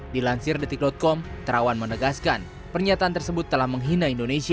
dilansir detik com terawan menegaskan pernyataan tersebut telah menghina indonesia